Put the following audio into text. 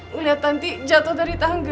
melihat tanti jatuh dari tangga